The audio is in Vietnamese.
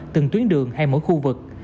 từng tuyến đường hay mỗi khu vực